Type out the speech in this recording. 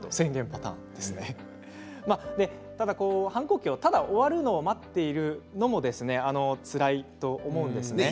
反抗期がただ終わるのを待っているのもつらいと思うんですけどね。